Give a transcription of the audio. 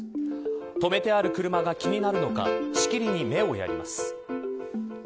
止めてある車が気になるのかしきりに目をやります。